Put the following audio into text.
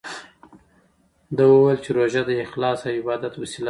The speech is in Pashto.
ده وویل چې روژه د اخلاص او عبادت وسیله ده.